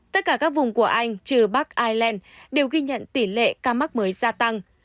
tất cả các vùng của anh trừ bắc ireland đều ghi nhận tỷ lệ ca mắc mới gia tăng